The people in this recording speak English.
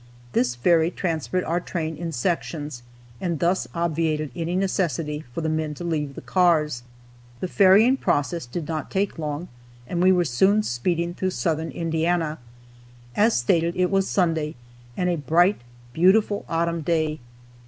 This ferry transferred our train in sections, and thus obviated any necessity for the men to leave the cars. The ferrying process did not take long, and we were soon speeding through southern Indiana. As stated, it was Sunday, and a bright, beautiful autumn day.